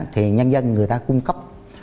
thì nhân dân người ta cung cấp